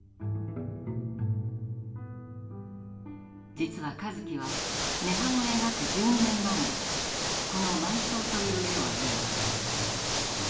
実は香月は「涅槃」を描く１２年前にこの「埋葬」という絵を描いています。